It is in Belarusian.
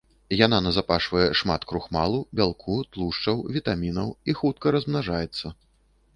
Яна назапашвае шмат крухмалу, бялку, тлушчаў, вітамінаў і хутка размнажаецца.